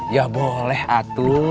ya boleh atul